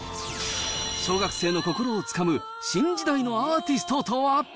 小学生の心をつかむ新時代のアーティストとは？